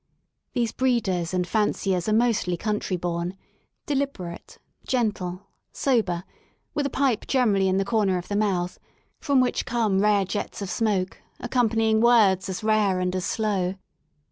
These breedersandfanciersaremostly country born, deliberate, gentle, sober, with a pipe generally in the corner of the Vr mouth, from which come rare jets of smoke accompany f ing words as rare and as slow.